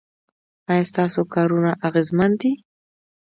ایا ستاسو کارونه اغیزمن دي؟